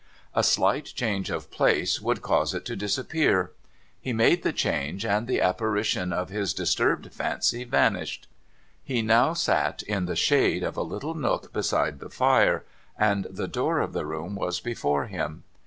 A slight change of place would cause it to disappear. He made the change, and the apparition of his disturbed fancy vanished. He now sat in the shade of a little nook beside the fire, and the door of the room was before him.